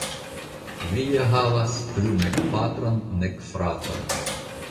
Vi ja havas plu nek patron, nek fraton!